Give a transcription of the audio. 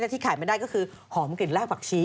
ที่ขายไม่ได้ก็คือหอมกลิ่นแรกผักชี